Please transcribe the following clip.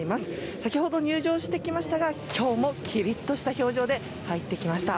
先ほど入場してきましたが今日もきりっとした表情で入ってきました。